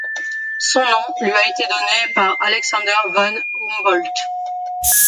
Son nom lui a été donné par Alexander von Humboldt.